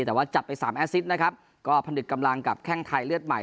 แต่ว่าจัดไปสามแอสซิดนะครับก็พนึกกำลังกับแข้งไทยเลือดใหม่